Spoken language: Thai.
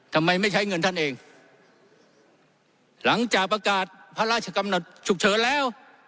ทำไมไม่ใช้เงินท่านเองหลังจากประกาศพระราชกำหนดฉุกเฉินแล้ว